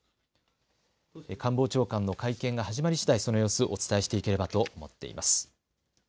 官房長官の会見が始まりしだいその様子、お伝えしていければと思っています。